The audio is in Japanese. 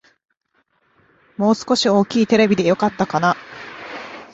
もう少し大きいテレビでよかったかな